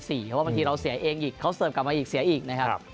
เพราะว่าบางทีเราเสียเองอีกเขาเสิร์ฟกลับมาอีกเสียอีกนะครับ